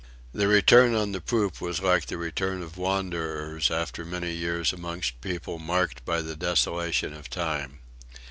The return on the poop was like the return of wanderers after many years amongst people marked by the desolation of time.